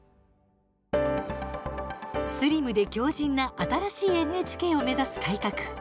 スリムで強じんな新しいＮＨＫを目指す改革。